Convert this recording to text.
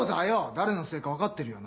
誰のせいか分かってるよな？